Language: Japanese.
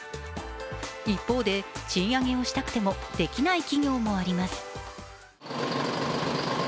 一方で、賃上げをしたくてもできない企業もあります。